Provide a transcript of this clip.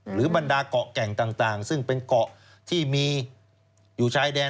บรรดาเกาะแก่งต่างซึ่งเป็นเกาะที่มีอยู่ชายแดน